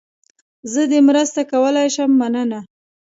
زه دې مرسته کولای شم، مننه.